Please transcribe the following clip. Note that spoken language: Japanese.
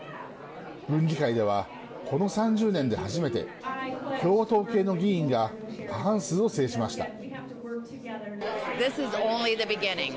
郡議会では、この３０年で初めて共和党系の議員が過半数を制しました。